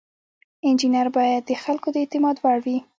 انجینر باید د خلکو د اعتماد وړ وي.